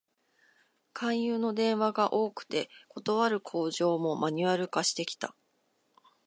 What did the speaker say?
勧誘の電話が多くて、断る口上もマニュアル化してきた